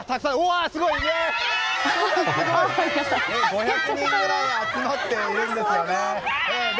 すごい！５００人ぐらい集まっているんですよね。